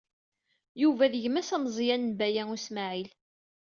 Yuba d gma-s ameẓyan n Baya U Smaɛil.